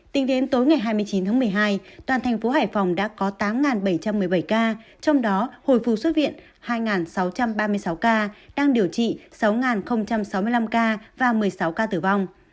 tính đến tối ngày hai mươi chín tháng một mươi hai toàn thành phố hải phòng đã có tám bảy trăm một mươi bảy ca trong đó hồi phù xuất viện hai sáu trăm ba mươi sáu ca đang điều trị sáu sáu mươi năm ca và một mươi sáu ca tử vong